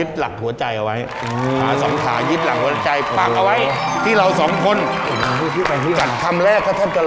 จัดคำแรกเขาแทบจะร้องห้าแล้ว